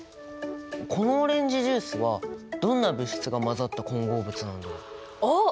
このオレンジジュースはどんな物質が混ざった混合物なんだろう？おっ！